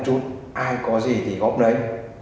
một chút ai có gì thì góp lấy